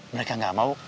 mereka gak mau